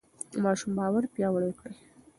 د ماشوم باور پیاوړی کړئ.